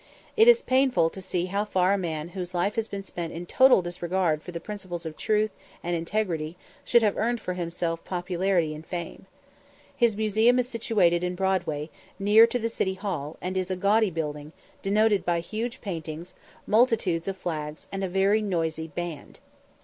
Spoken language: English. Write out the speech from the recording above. It is painful to see how far a man whose life has been spent in total disregard of the principles of truth and integrity should have earned for himself popularity and fame. His museum is situated in Broadway, near to the City Hall, and is a gaudy building, denoted by huge paintings, multitudes of flags, and a very noisy band.